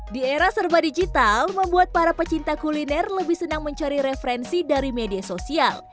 di era serba digital membuat para pecinta kuliner lebih senang mencari referensi dari media sosial